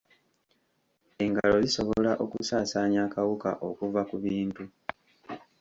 Engalo zisobola okusaasaanya akawuka okuva ku bintu.